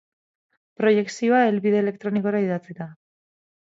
Proiekzioa helbide elektronikora idatzita.